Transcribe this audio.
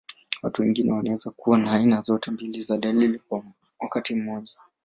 Watu wengine wanaweza kuwa na aina zote mbili za dalili kwa wakati mmoja.